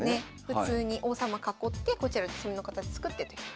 普通に王様囲ってこちら攻めの形作ってという。